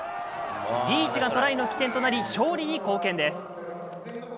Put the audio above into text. リーチがトライの起点となり、勝利に貢献です。